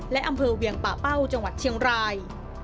และอำเภอเวียงปะเป้าจังหวัดเชียงราย